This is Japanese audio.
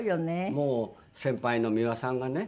もう先輩の美輪さんがね